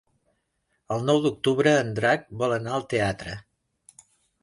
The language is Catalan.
El nou d'octubre en Drac vol anar al teatre.